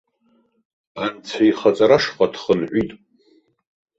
Анцәа ихаҵара ашҟа дхынҳәит.